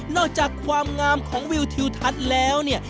อกจากความงามของวิวทิวทัศน์แล้วเนี่ย